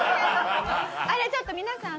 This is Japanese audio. あれちょっと皆さん